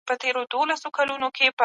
د خیریه کارونو برخه وګرځئ.